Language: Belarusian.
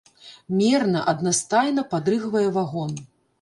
Мерна, аднастайна падрыгвае вагон.